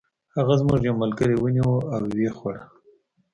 هغه زموږ یو ملګری ونیوه او و یې خوړ.